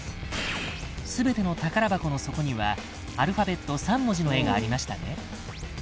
「全ての宝箱の底にはアルファベット３文字の絵がありましたね」